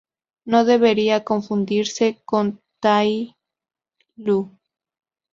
No debería confundirse con tai lü.